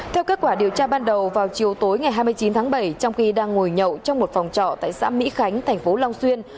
theo kết quả điều tra ban đầu vào chiều tối ngày hai mươi chín tháng bảy trong khi đang ngồi nhậu trong một phòng trọ tại xã mỹ khánh thành phố long xuyên